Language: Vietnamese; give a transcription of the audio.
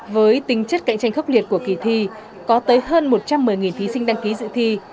với tính chất cạnh tranh khốc liệt của kỳ thi có tới hơn một trăm một mươi thí sinh đăng ký dự thi